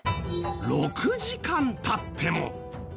６時間経っても。